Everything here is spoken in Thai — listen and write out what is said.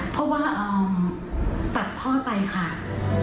เพราะว่าตัดพ่อไตขาด